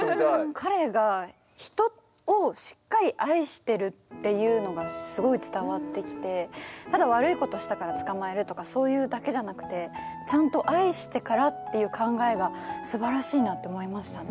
彼が人をしっかり愛してるっていうのがすごい伝わってきてただ悪いことしたから捕まえるとかそういうだけじゃなくてちゃんと愛してからっていう考えがすばらしいなと思いましたね。